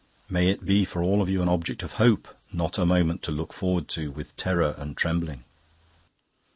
May it be for all of you an object of hope, not a moment to look forward to with terror and trembling."